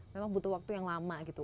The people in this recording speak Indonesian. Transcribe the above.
memang butuh waktu yang lama gitu